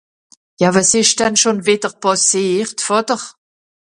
Ja, wàs ìsch denn schùn wìdder pàssiert, Vàter ?